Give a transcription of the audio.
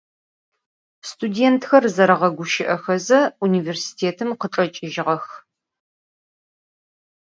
Studêntxer zereğeguşı'exeze vunivêrsitêtım khıçç'eç'ıjığex.